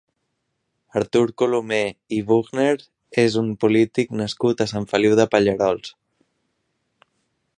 Artur Colomer i Buchner és un polític nascut a Sant Feliu de Pallerols.